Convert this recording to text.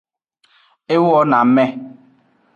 E wo na ame.